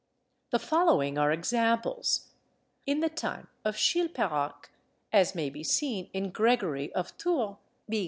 The following are examples: In the time of Chilperic, as may be seen in Gregory of Tours, b.